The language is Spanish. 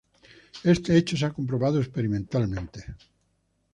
Éste hecho se ha comprobado experimentalmente.